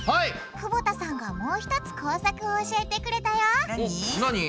久保田さんがもうひとつ工作を教えてくれたよなに？